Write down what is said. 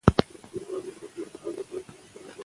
د دې لپاره چې پوهنه پیاوړې وي، جهالت به ریښه ونه نیسي.